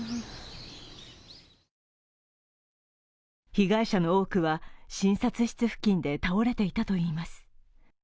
被害者の多くは診察室付近で倒れていたといいます。